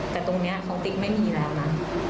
แต่ตรงนี้เขาติ๊กไม่มีแล้วนะ